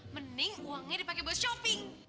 mending uangnya dipake bos shopping